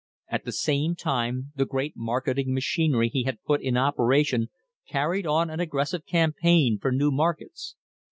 At the same time the great marketing machinery he had put in operation carried on an aggressive campaign for new markets.